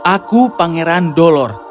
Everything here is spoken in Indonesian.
aku pangeran dolor